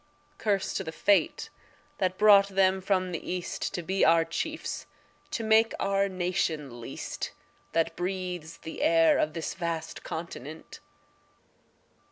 Curse to the fate that brought them from the East To be our chiefs to make our nation least That breathes the air of this vast continent.